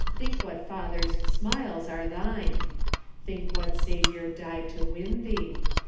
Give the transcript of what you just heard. Think what Father's smiles are thine ! Think what Saviour died to win thee